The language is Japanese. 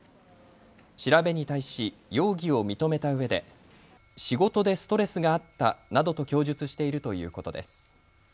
調べに対し容疑を認めたうえで仕事でストレスがあったなどと供述しているということです。